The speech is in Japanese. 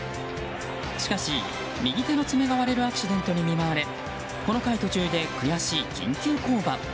しかし、右手の爪が割れるアクシデントに見舞われこの回途中で悔しい緊急降板。